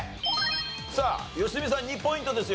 さあ良純さん２ポイントですよ。